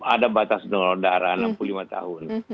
ada batas donoh darah